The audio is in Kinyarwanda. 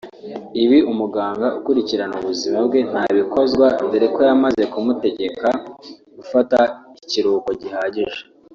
Ibi umuganga ukurikirana ubuzima bwe ntabikozwa dore ko yamaze kumutekega gufata ikiruhuko gihagije